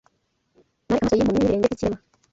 Nari amaso y‘impumyi, n’ibirenge by’ikirema